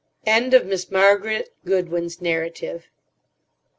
_(End of Miss Margaret Goodwin's narrative.)